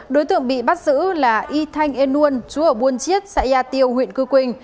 đối tượng bị bắt giữ là y thanh en nguyen chú ở buôn chiết xã gia tiêu huyện công an